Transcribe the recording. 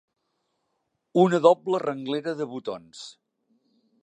Una doble renglera de botons.